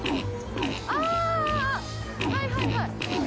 あはいはいはい。